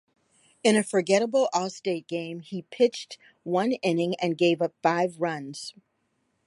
In a forgettable All-Star game, he pitched one inning and gave up five runs.